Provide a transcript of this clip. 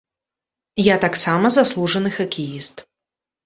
Я таксама заслужаны хакеіст.